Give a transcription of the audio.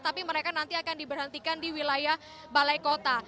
tapi mereka nanti akan diberhentikan di wilayah balai kota